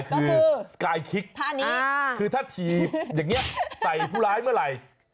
คือสกายคิกคือถ้าถีบอย่างนี้ใส่ผู้ร้ายเมื่อไหร่